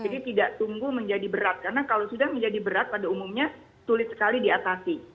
jadi kita harus menunggu menjadi berat karena kalau sudah menjadi berat pada umumnya sulit sekali diatasi